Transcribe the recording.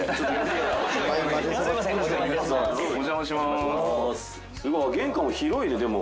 すごい玄関広いねでも。